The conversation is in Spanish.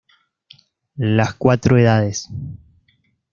Las cuatro edades.